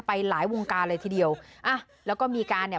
ไปหลายวงการเลยทีเดียวอ่ะแล้วก็มีการเนี่ย